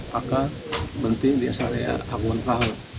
maka berhenti di area aguan rau